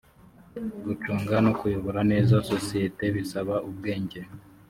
gucunga no kuyobora neza sosiyete bisaba ubwenjye